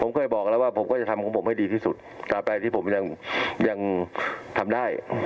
ผมเคยบอกแล้วว่าผมก็จะทำของผมให้ดีที่สุดต่อไปที่ผมยังทำได้